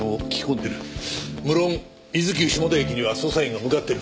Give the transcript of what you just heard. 無論伊豆急下田駅には捜査員が向かってる。